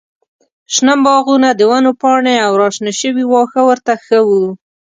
شنه باغونه، د ونو پاڼې او راشنه شوي واښه ورته ښه ول.